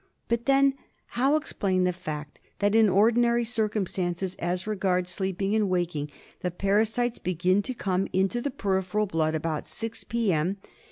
But then how explain the fact that in ordinary circumstances, as regards sleeping and waking, the parasites begin to come into the peripheral blood about six p.m.